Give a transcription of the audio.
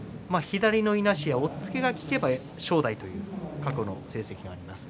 左のいなしや押っつけが効けば正代という過去の成績があります。